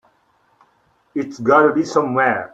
It's got to be somewhere.